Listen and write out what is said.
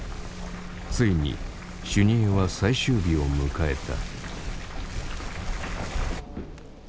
ついに修二会は最終日を迎えた。